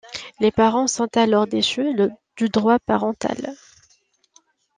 Les parents sont alors déchus du droit parental.